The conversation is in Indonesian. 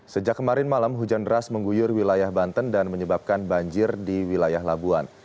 sejak kemarin malam hujan deras mengguyur wilayah banten dan menyebabkan banjir di wilayah labuan